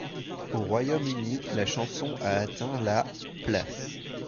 Au Royaume-Uni, la chanson a atteint la place.